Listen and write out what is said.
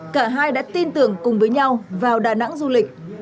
cả hai đã tin tưởng cùng với nhau vào đà nẵng du lịch